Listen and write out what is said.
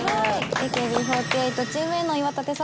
ＡＫＢ４８チームＡの岩立沙穂です